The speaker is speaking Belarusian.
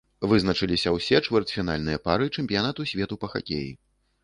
Вызначыліся ўсе чвэрцьфінальныя пары чэмпіянату свету па хакеі.